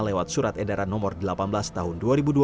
lewat surat edaran nomor delapan belas tahun dua ribu dua puluh